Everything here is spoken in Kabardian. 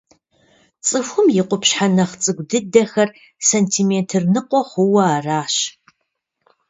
Цӏыхум и къупщхьэ нэхъ цӏыкӏу дыдэхэр сантиметр ныкъуэ хъууэ аращ.